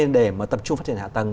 để mà tập trung phát triển hạ tầng